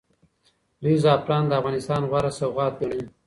دوی زعفران د افغانستان غوره سوغات ګڼي.